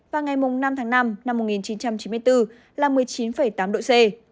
và ngày năm tháng năm năm một nghìn chín trăm chín mươi bốn là một mươi chín tám độ c